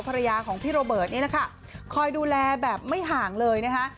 ภรรยาของพี่โรเบิร์ตนี่แหละค่ะคอยดูแลแบบไม่ห่างเลยนะคะ